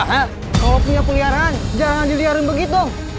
kalau punya peliharaan jangan diliarin